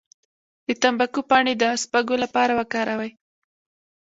د تمباکو پاڼې د سپږو لپاره وکاروئ